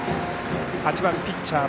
８番ピッチャー